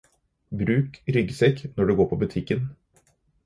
Bruk ryggsekk når du går på butikken.